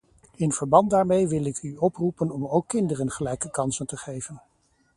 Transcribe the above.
In verband daarmee wil ik u oproepen om ook kinderen gelijke kansen te geven.